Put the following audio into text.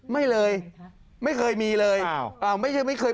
ไม่เลยไม่เคยมีเลย